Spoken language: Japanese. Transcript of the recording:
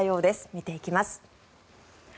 見ていきます。